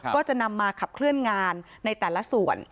ก็จะนำมาขับเคลื่อนงานในแต่ละส่วน